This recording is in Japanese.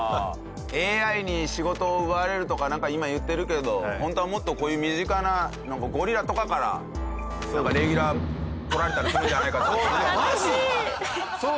ＡＩに仕事を奪われるとかなんか、今言ってるけど本当は、もっと、こういう身近なゴリラとかからレギュラー取られたりするんじゃないかというね。